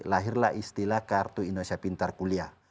lahirlah istilah kartu indonesia pintar kuliah